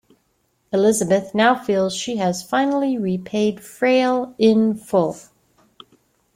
Elizabeth now feels she has finally repaid Frail in full.